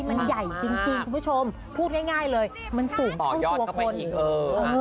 มันใหญ่จริงคุณผู้ชมพูดง่ายเลยมันสูงเท่าตัวคน